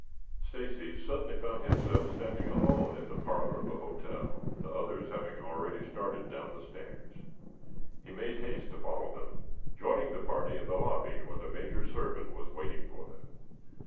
Stacy suddenly found himself standing alone in the parlor of the hotel, the others having already started down the stairs. He made haste to follow them, joining the party in the lobby where the Major's servant was waiting for them.